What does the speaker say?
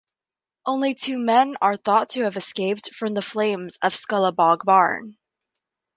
Only two men are thought to have escaped the flames of Scullabogue Barn.